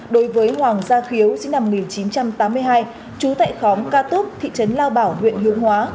đối với hoàng gia khiếu sinh năm một nghìn chín trăm tám mươi hai trú tại khóm ca túc thị trấn lao bảo huyện hướng hóa